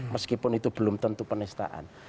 meskipun itu belum tentu penistaan